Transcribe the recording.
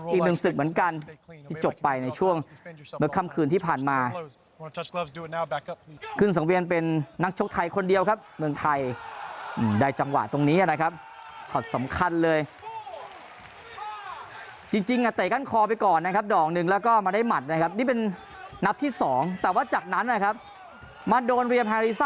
อีกหนึ่งศึกเหมือนกันที่จบไปในช่วงเมื่อค่ำคืนที่ผ่านมา